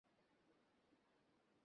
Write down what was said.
আমাকে চিনতে পারছো না?